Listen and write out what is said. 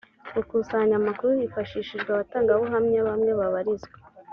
gukusanya amakuru hifashishijwe abatangabuhamya bamwe babarizwa